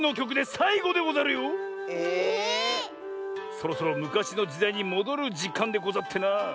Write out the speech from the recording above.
⁉そろそろむかしのじだいにもどるじかんでござってな。